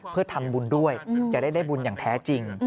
เพื่อทำบุญด้วยจะได้ได้บุญอย่างแท้จริง